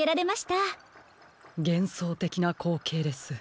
げんそうてきなこうけいです。